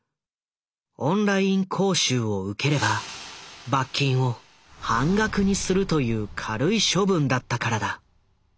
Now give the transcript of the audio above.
オンライン講習を受ければ罰金を半額にするという軽い処分だったからだ。